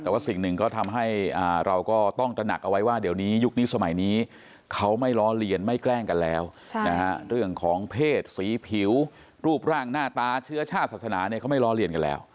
แต่สิ่งหนึ่งคือต้องหนักไว้ว่ายุคนี้สมัยนี้